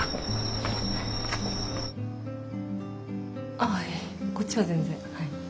ああいえこっちは全然はい。